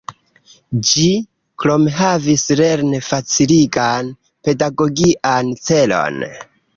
Ĝi krome havis lern-faciligan, pedagogian celon.